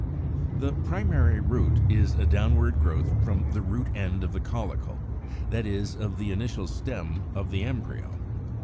66. =The Primary Root= is a downward growth from the root end of the caulicle, that is, of the initial stem of the embryo (Fig.